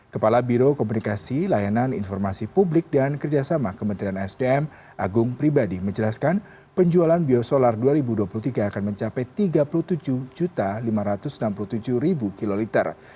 kepala biro komunikasi layanan informasi publik dan kerjasama kementerian sdm agung pribadi menjelaskan penjualan biosolar dua ribu dua puluh tiga akan mencapai tiga puluh tujuh lima ratus enam puluh tujuh kiloliter